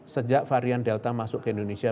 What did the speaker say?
sejak varian delta masuk ke indonesia